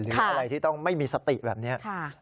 หรืออะไรที่ต้องไม่มีสติแบบนี้